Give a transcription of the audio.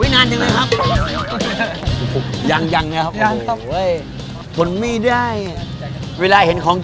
นั่งเลยครับ